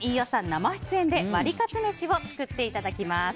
生出演でワリカツめしを作っていただきます。